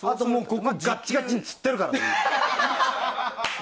ここがガッチガチにつってるからね。